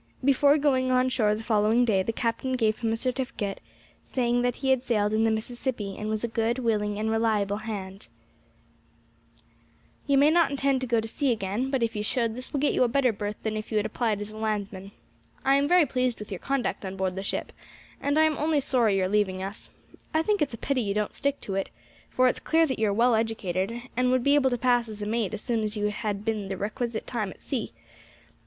Before going on shore the following day, the captain gave him a certificate, saying that he had sailed in the Mississippi, and was a good, willing, and reliable hand. [Illustration: FRANK'S VISIT TO MR. HIRAM LITTLE'S OFFICE.] "You may not intend to go to sea again, but if you should, this will get you a better berth than if you had applied as a landsman. I am very pleased with your conduct on board the ship, and I am only sorry you are leaving us. I think it's a pity you don't stick to it, for it is clear that you are well educated, and would be able to pass as a mate as soon as you had been the requisite time at sea.